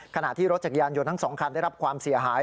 ขณะที่รถจักรยานยนต์ทั้ง๒คันได้รับความเสียหาย